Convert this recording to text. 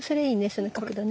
その角度ね。